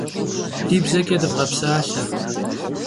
Ди бзэкӏэ дывгъэпсалъэ!